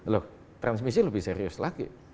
loh transmisi lebih serius lagi